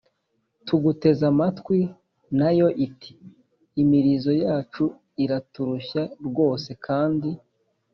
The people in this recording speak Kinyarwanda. “Tuguteze amatwi.” Na yo iti: “Imirizo yacu iraturushya rwose. Kandi